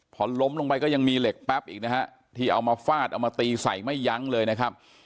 พอล้มลงไปก็ยังมีเหล็กแป๊บอีกนะฮะที่เอามาฟาดเอามาตีใส่ไม่ยั้งเลยนะครับ